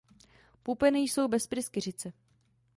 Pupeny jsou bez pryskyřice.